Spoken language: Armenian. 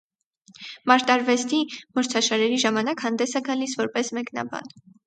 Մարտարվեստի մրցաշարերի ժամանակ հանդես է գալիս որպես մեկնաբան։